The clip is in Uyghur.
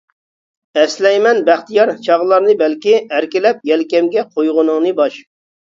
ئەسلەيمەن بەختىيار چاغلارنى بەلكى، ئەركىلەپ يەلكەمگە قويغىنىڭنى باش.